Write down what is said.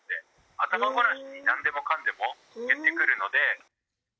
頭ごなしになんでもかんでも言ってくるので。